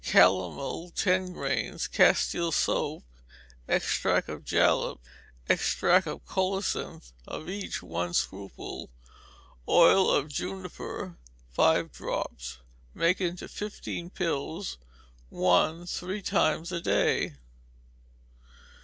Calomel, ten grains; Castile soap, extract of jalap, extract of colocynth, of each one scruple; oil of juniper, five drops: make into fifteen pills; one three times a day.